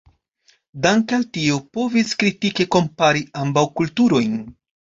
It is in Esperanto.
Danke al tio povis kritike kompari ambaŭ kulturojn.